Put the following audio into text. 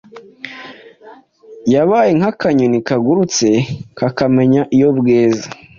yabaye nk'akanyoni kagurutse kakamenya iyo bweze.